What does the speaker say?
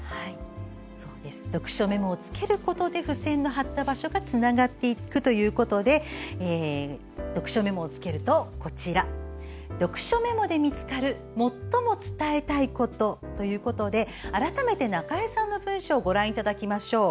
読書メモをつけることで付箋の貼った場所がつながっていくということで読書メモをつけると読書メモで見つかる最も伝えたいことということで改めて中江さんの文章ご覧いただきましょう。